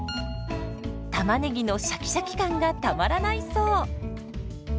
たまねぎのシャキシャキ感がたまらないそう。